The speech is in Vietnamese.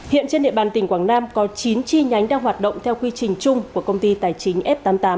hiện trên địa bàn tỉnh quảng nam có chín chi nhánh đang hoạt động theo quy trình chung của công ty tài chính f tám mươi tám